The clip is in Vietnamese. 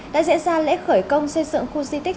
đã diễn ra lễ khởi công xây dựng khu di tích